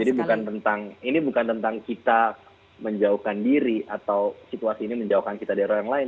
jadi ini bukan tentang kita menjauhkan diri atau situasi ini menjauhkan kita dari orang lain